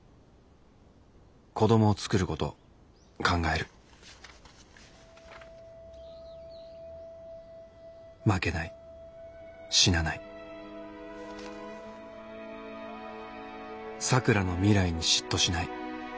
子どもを作ること考える負けない死なない咲良の未来に嫉妬しない。